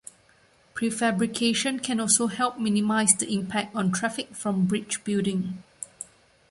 Prefabrication can also help minimize the impact on traffic from bridge building.